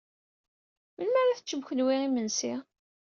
Melmi arq teččem kenwi imekli?